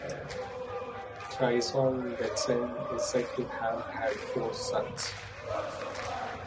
Trisong Detsen is said to have had four sons.